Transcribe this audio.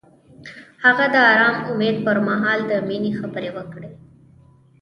هغه د آرام امید پر مهال د مینې خبرې وکړې.